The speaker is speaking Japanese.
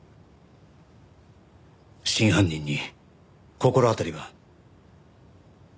真犯人に心当たりは？